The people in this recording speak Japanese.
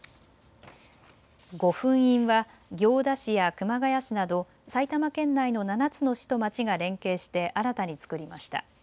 御墳印は行田市や熊谷市など埼玉県内の７つの市と町が連携して新たに作りました。